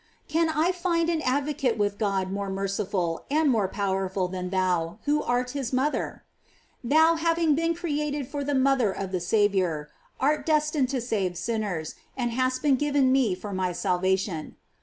Can I find an advocate with God more merciful and more powerful than thou, who art his mother? Thou having been created for the mother of the Sar* 226 GLORIES OF MART. iour, art destined to save sinners, and hast been given me for my salvation.